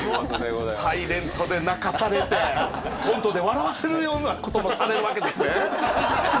「ｓｉｌｅｎｔ」で泣かされてコントで笑わせるようなこともされるわけですね。